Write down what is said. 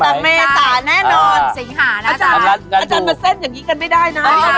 ไม่ได้อาจารย์